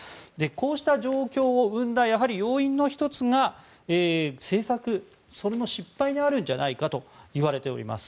こうした状況を生んだ要因の１つが政策の失敗にあるんじゃないかといわれています。